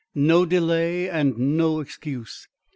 No delay and no excuse.